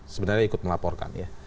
sebenarnya ikut melaporkan